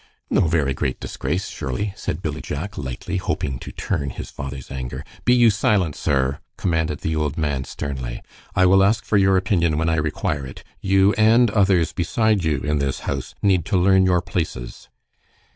"No very great disgrace, surely," said Billy Jack, lightly, hoping to turn his father's anger. "Be you silent, sir!" commanded the old man, sternly. "I will ask for your opinion when I require it. You and others beside you in this house need to learn your places."